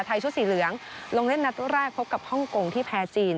ชุดสีเหลืองลงเล่นนัดแรกพบกับฮ่องกงที่แพ้จีน